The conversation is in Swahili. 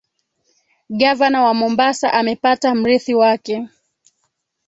Gavana wa Mombasa amepata mrithi wake.